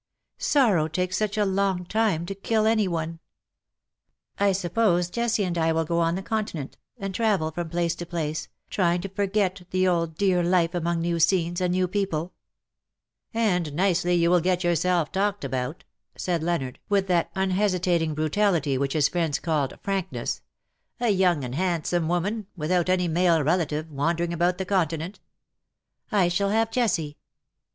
Sorrow takes such a long time to kill any one. I suppose Jessie and I will go on the Continent, and travel from place to place, trying to forget the old dear life among new scenes and new people. '^ VOL. II. G 82 "love will have his day." " And nicely you will get yourself talked about/^ said Leonard, with that unhesitating brutality which his friends called frankness —^^ a young and hand some woman, without any male relative^ wander ing about the Continent/'' " I shall have Jessie."